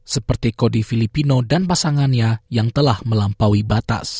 seperti cody filipino dan pasangannya yang telah melampaui batas